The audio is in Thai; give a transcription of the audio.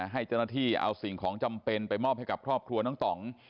ให้เจ้าหน้าที่เอาสิ่งของจำเป็นไปมอบให้กับครอบครัวน้องต่อง